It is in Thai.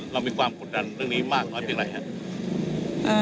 เรามีความกดดันเรื่องนี้มากน้อยเพียงไรครับ